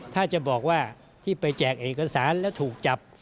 ถ้าจะบอกว่าที่ไปแจกเอกสารแล้วถูกจับ